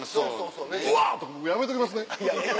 「うわ‼」とかやめときますね。